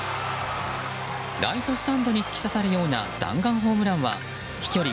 ライトスタンドに突き刺さるような弾丸ホームランは飛距離